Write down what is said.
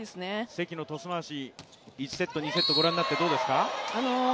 関のトス回し、１セット、２セットご覧になっていかがですか？